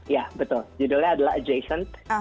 ya betul judulnya adalah adjation